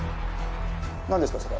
何ですかそれ？